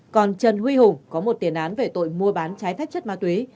còn trần huy hùng có một tiền án về tội mua bán trái phép chất ma túy